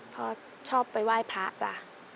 เพราะชอบไปไหว้พระจ๊ะ